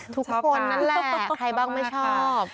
ทุกคนนั่นแหละใครบ้างไม่ชอบ